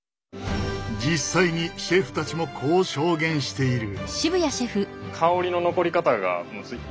実際にシェフたちもこう証言している。